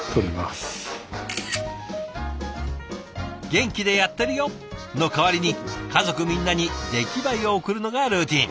「元気でやってるよ！」の代わりに家族みんなに出来栄えを送るのがルーティン。